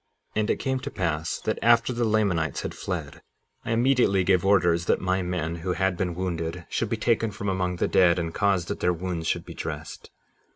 57:24 And it came to pass that after the Lamanites had fled, I immediately gave orders that my men who had been wounded should be taken from among the dead, and caused that their wounds should be dressed.